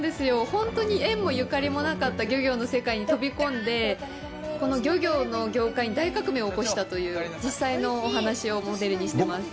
本当に縁もゆかりもなかった漁業の世界に飛び込んで、この漁業の業界に大革命を起こしたという、実際のお話をモデルにしてます。